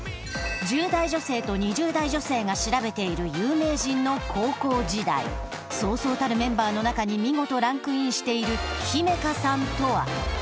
１０代女性と２０代女性が調べている有名人の高校時代そうそうたるメンバーの中に見事ランクインしているひめかさんとは？